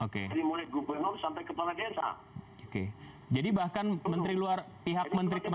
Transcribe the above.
ya di luar koordinasi semuanya kan di bawah koordinasi